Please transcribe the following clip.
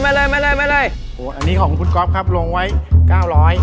อันนี้ของคุณครูกอล์ฟครับลงไว้๙๐๐บาท